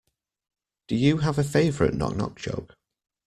Do you have a favourite knock knock joke?